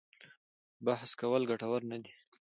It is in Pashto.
بحث کول ګټور نه دي.